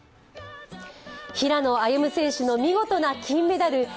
平野歩夢選手の見事な金メダル。